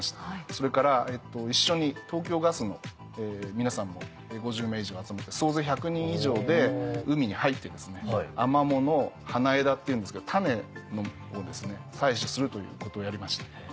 それから一緒に東京ガスの皆さんも５０名以上集まって総勢１００人以上で海に入ってアマモの花枝っていうんですけど種を採取するということをやりました。